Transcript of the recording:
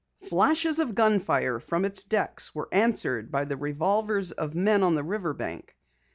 Flashes of gunfire from its decks were answered by the revolvers of men on the river bank.